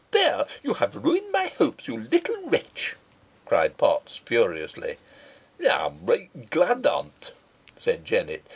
"There, you have ruined my hopes, you little wretch!" cried Potts, furiously. "Ey'm reet glad on't," said Jennet.